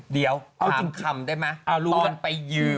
เดี๋ยวทำได้นะตอนไปยืม